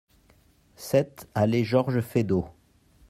sept allée Georges Feydeau